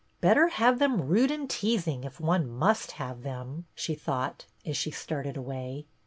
" Better have them rude and teasing, if one must have them," she thought, as she started away.